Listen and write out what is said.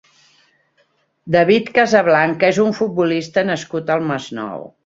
David Casablanca és un futbolista nascut al Masnou.